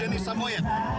usia tiga bulan